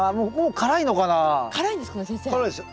辛いですよ。